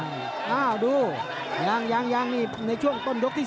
อ้าวดูยางช่วงต้นยกที่๔